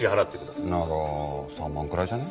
なら３万くらいじゃね？